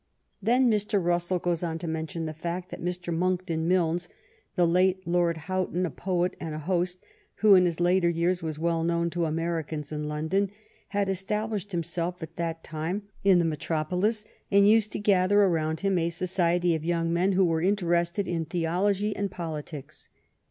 54 THE STORY OF GLADSTONE'S LIFE Then Mr. Russell goes on to mention the fact that Mr. Monckton Milnes, the late Lord Hough ton, a poet and a host, who in his later years was well known to Americans in London, had established himself at that time in the metrop olis, and used to gather around him "a society of young men who were interested in theology and politics."